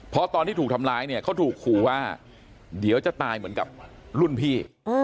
เพราะตอนที่ถูกทำร้ายเนี่ยเขาถูกขู่ว่าเดี๋ยวจะตายเหมือนกับรุ่นพี่